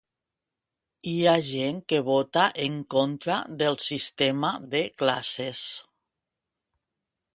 Hi ha gent que vota en contra del sistema de classes.